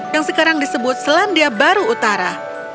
yang sekarang disebut selandia baru utara